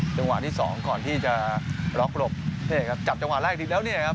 จังหวะที่สองก่อนที่จะล็อกหลบนี่ครับจับจังหวะแรกอีกทีแล้วเนี่ยครับ